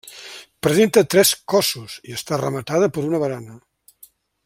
Presenta tres cossos i està rematada per una barana.